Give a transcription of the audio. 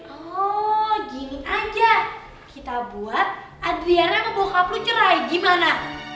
oh gini aja kita buat adriana sama bokap lo cerai gimana